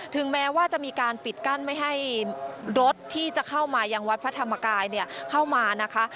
ถึงแม้ว่าจะมีการปิดกั้นไม่ให้รถที่จะเข้ามายังวัดพระธรรมกายเข้ามานะคะ